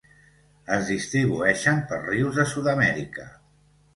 Es distribueixen per rius de Sud-amèrica.